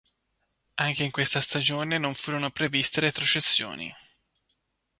Anche in questa stagione non furono previste retrocessioni.